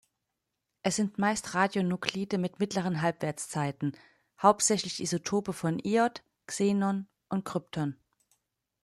Es sind meist Radionuklide mit mittleren Halbwertszeiten, hauptsächlich Isotope von Iod, Xenon und Krypton.